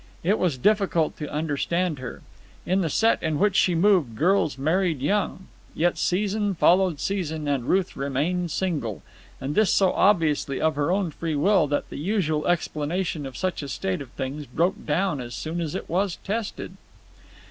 It was difficult to understand her. In the set in which she moved girls married young; yet season followed season, and Ruth remained single, and this so obviously of her own free will that the usual explanation of such a state of things broke down as soon as it was tested.